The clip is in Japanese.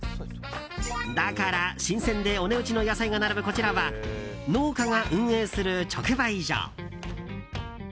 だから新鮮でお値打ちの野菜が並ぶ、こちらは農家が運営する直売所。